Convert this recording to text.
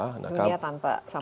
dunia tanpa sampah